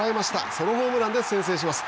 ソロホームランで先制します。